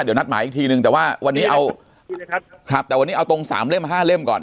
เดี๋ยวนัดหมายอีกทีนึงแต่วันนี้เอาตรง๓เล่ม๕เล่มก่อน